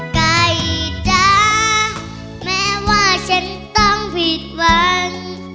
ไก่จ๊ะแม้ว่าฉันต้องผิดหวัง